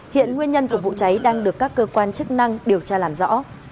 hiện nguyên nhân của vụ cháy đang được các cơ quan chức năng điều tra làm rõ